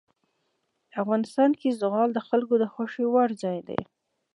افغانستان کې زغال د خلکو د خوښې وړ ځای دی.